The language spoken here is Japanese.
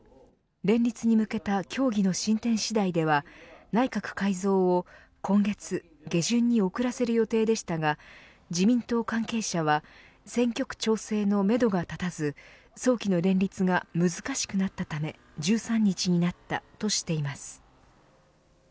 連立に向けた協議の進展次第では内閣改造を今月下旬に遅らせる予定でしたが自民党関係者は選挙区調整のめどが立たず早期の連立が難しくなったため１３日になったとしています。